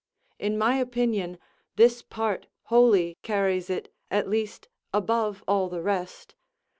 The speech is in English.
In my opinion; this part wholly carries it, at least, above all the rest.